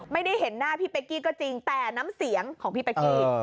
ไม่ได้เห็นหน้าพี่เป๊กกี้ก็จริงแต่น้ำเสียงของพี่เป๊กกี้